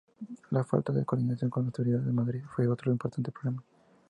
La falta de coordinación con las autoridades de Madrid fue otro importante problema.